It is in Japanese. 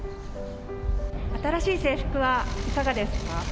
新しい制服はいかがですか。